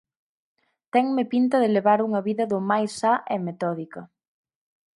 Tenme pinta de levar unha vida do máis sá e metódica.